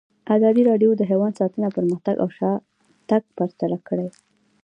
ازادي راډیو د حیوان ساتنه پرمختګ او شاتګ پرتله کړی.